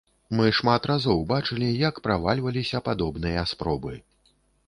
Мы шмат разоў бачылі, як правальваліся падобныя спробы.